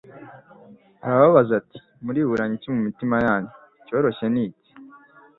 Arababaza ati «Muriburanya iki mu mitima yanyu. Icyoroshye ni iki,